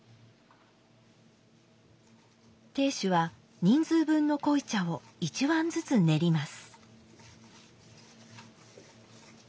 亭主は人数分の濃茶を一碗ずつ練ります。